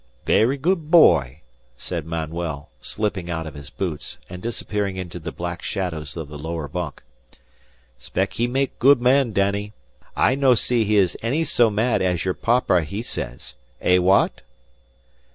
"Ver' good boy," said Manuel, slipping out of his boots and disappearing into the black shadows of the lower bunk. "Expec' he make good man, Danny. I no see he is any so mad as your parpa he says. Eh, wha at?"